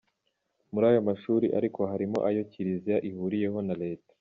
Muri ayo mashuri ariko harimo ayo Kiriziya ihuriyeho na Leta.